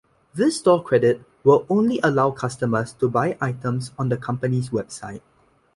This store credit will only allow customers to buy items on the company website.